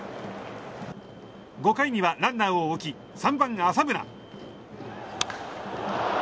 ５回にはランナーを置き３番、浅村。